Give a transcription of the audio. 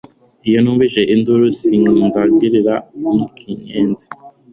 Iyo numvise induru sinikandagira nk'inkenzi